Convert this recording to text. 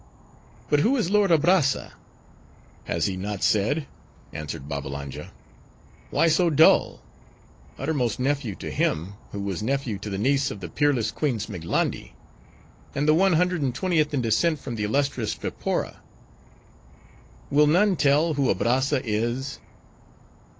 "But who is lord Abrazza?" "Has he not said?" answered Babbalanja. "Why so dull?—Uttermost nephew to him, who was nephew to the niece of the peerless Queen Zmiglandi; and the one hundred and twentieth in descent from the illustrious Phipora." "Will none tell, who Abrazza is?"